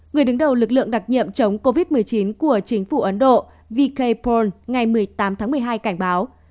người đứng đầu lực lượng đặc nhiệm chống covid một mươi chín của chính phủ ấn độ vke pool ngày một mươi tám tháng một mươi hai cảnh báo